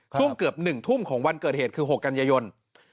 ช่วงเกือบ๑ทุ่มของวันเกิดเหตุคือ๖กันยายน